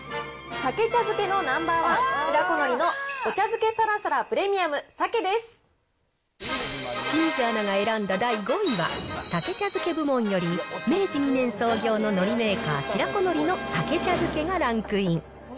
さけ茶漬のナンバーワン、白子のりのお茶漬けサラサラプレミアム清水アナが選んだ第５位は、鮭茶漬け部門より、明治２年創業ののりメーカー、白子のりの鮭茶漬けがランクイン。